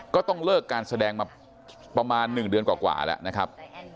ก็ต้องเลิกการแสดงมาประมาณ๑เดือนกว่าแล้วนะครับ